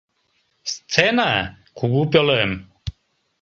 Сцена — кугу пӧлем.